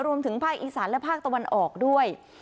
รวมถึงภาคอีสานและภาคตะวันออกด้วย